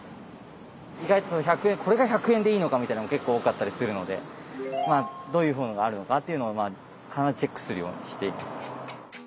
意外とこれが１００円でいいのかみたいなのも結構多かったりするのでどういう本があるのかというのは必ずチェックするようにしています。